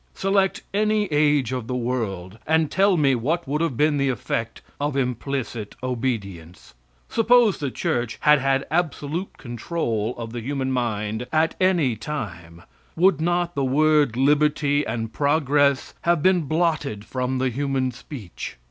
Select any age of the world and tell me what would have been the effect of implicit obedience. Suppose the church had had absolute control of the human mind at any time, would not the word liberty and progress have been blotted from the human speech?